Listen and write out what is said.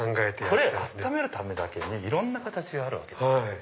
これ温めるためだけにいろんな形があるわけですよ。